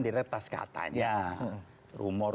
diretas katanya rumor